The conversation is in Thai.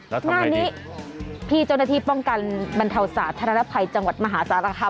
แล้วทำยังไงดีงานนี้พี่เจ้าหน้าที่ป้องกันบรรเทาสาธารณภัยจังหวัดมหาศาลค่ะ